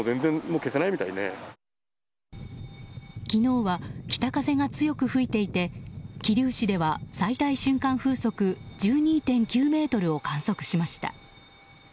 昨日は北風が強く吹いていて桐生市では最大瞬間風速１２．９メートルを観測しました。